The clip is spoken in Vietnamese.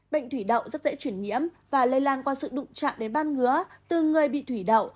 bệnh thủy đậu rất dễ chuyển nhiễm và lây lan qua sự đụng chạm đến ban ngứa từ người bị thủy đậu